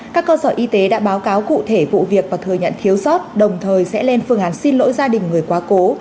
các cơ sở y tế đã báo cáo cụ thể vụ việc và thừa nhận thiếu sót đồng thời sẽ lên phương án xin lỗi gia đình người quá cố